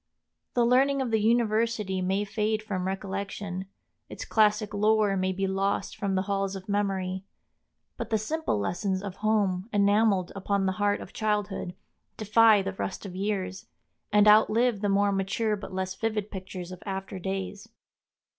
The learning of the university may fade from recollection, its classic lore may be lost from the halls of memory; but the simple lessons of home, enameled upon the heart of childhood, defy the rust of years, and outlive the more mature but less vivid pictures of after days.